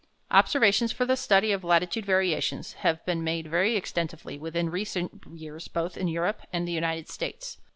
Observations for the study of latitude variations have been made very extensively within recent years both in Europe and the United States.